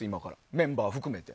メンバー含めて。